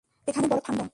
এখানে বরফ ঠান্ডা।